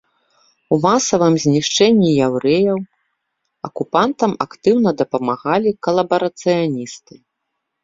У масавым знішчэнні яўрэяў акупантам актыўна дапамагалі калабарацыяністы.